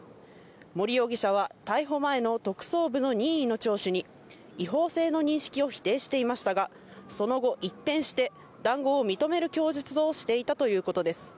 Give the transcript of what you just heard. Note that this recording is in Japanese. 森容疑者は逮捕前の特捜部の任意の聴取に違法性の認識を否定していましたが、その後、一転して談合を認める供述をしていたということです。